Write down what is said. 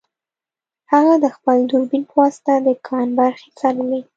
هغه د خپل دوربین په واسطه د کان برخې څارلې